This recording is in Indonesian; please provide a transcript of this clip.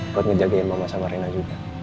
buat ngejagain mama sama rena juga